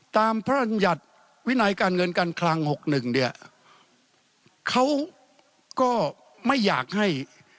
ตามพระรัญญัติวินัยการเงินการคลัง๖๑เนี่ยเขาก็ไม่อยากให้